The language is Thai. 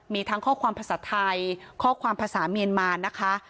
มีทั้งข้อความภาษาไทยข้อความภาษาเมียนมานะคะ